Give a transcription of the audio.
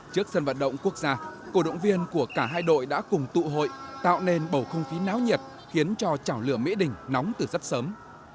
trước sân vận động quốc gia cổ động viên của cả hai đội đã cùng tụ hội tạo nên bầu không khí náo nhiệt khiến cho chảo lửa mỹ đình nóng từ rất sớm